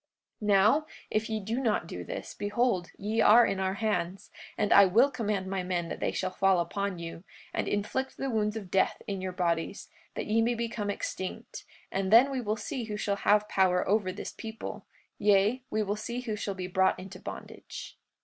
44:7 And now, if ye do not this, behold, ye are in our hands, and I will command my men that they shall fall upon you, and inflict the wounds of death in your bodies, that ye may become extinct; and then we will see who shall have power over this people; yea, we will see who shall be brought into bondage.